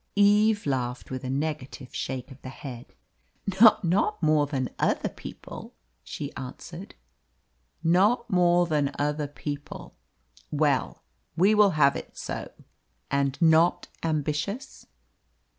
Eve laughed with a negative shake of the head. "Not more than other people," she answered. "Not more than other people. Well, we will have it so. And not ambitious."